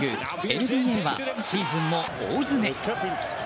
ＮＢＡはシーズンも大詰め。